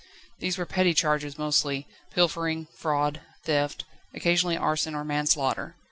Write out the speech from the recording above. They were petty charges mostly: pilfering, fraud, theft, occasionally arson or manslaughter.